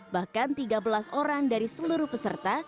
bahkan tiga belas orang dari seluruh peserta